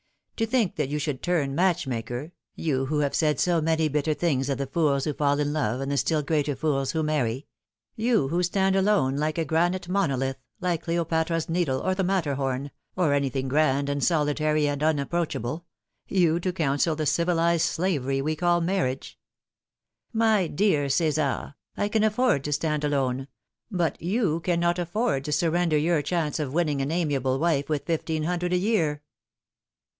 "To think that you should turn matchmaker, you who have said so many bitter things of the fools who fall in love, and the still greater fools who marry ; you who stand alone like a granite monolith, like Cleopatra's Needle, or the Matterhorn, or anything grand and solitary and unapproachable ; you to counsel the civilised slavery we call marriage." " My dear Cesar, I can afford to stand alone ; but you cannot afford to surrender your chance of winning an amiable wife with fifteen hundred a year."